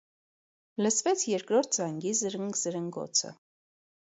Լսվեց երկրորդ զանգի զրնգզրնգոցը: